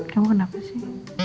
kamu kenapa sih